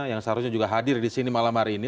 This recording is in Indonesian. yang seharusnya juga hadir di sini malam hari ini